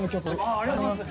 ありがとうございます。